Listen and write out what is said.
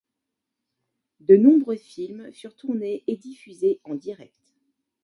De nombreux films furent tournés et diffusés en direct.